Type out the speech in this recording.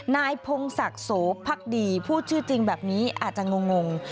นายพงศักดิ์โสพักดีพูดชื่อจริงแบบนี้อาจจะงง